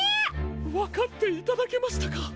わかっていただけましたか！